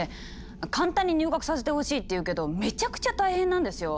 簡単に「入学させてほしい」って言うけどめちゃくちゃ大変なんですよ！